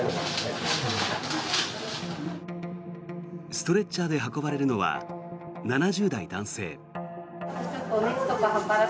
ストレッチャーで運ばれるのは７０代男性。